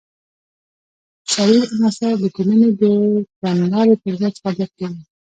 شریر عناصر د ټولنې د کړنلارې پر ضد فعالیت کوي.